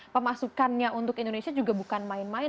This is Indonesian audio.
pemasukannya untuk indonesia juga bukan main main